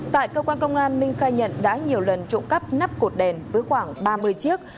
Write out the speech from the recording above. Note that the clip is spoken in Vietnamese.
tại cơ quan công an minh khai nhận đã nhiều lần trộm cắp nắp cột đèn với khoảng ba mươi chiếc